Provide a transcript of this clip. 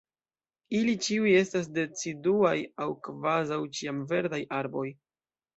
Ili ĉiuj estas deciduaj aŭ kvazaŭ-ĉiamverdaj arboj.